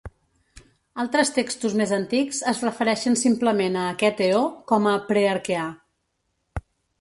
Altres textos més antics es refereixen simplement a aquest eó com a Prearqueà.